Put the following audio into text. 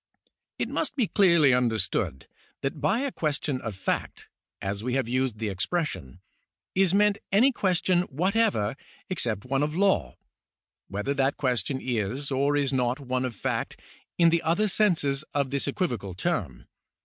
It must be clearly understood that by a question of fact, as we have used the expression, is meant any question what ever except one of law, whether that question is, or is not. one of fact in the other senses of this equivocal term.